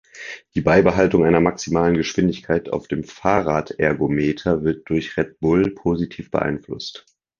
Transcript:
Die Beibehaltung einer maximalen Geschwindigkeit auf dem Fahrradergometer wird durch Red Bull positiv beeinflusst.